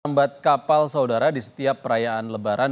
lambat kapal saudara di setiap perayaan lebaran